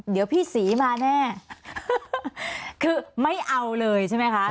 เดี๋ยวพี่ศรีมาแน่คือไม่เอาเลยใช่ไหมคะ